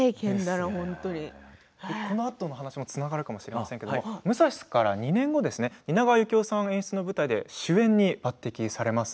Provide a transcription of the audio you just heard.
そのあとの話につながるかもしれませんが「ムサシ」から２年後蜷川さんの演出する舞台で主演に抜てきされます。